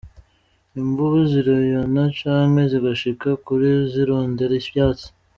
Imvubu zirayona canke zigashika kure zirondera ivyatsi.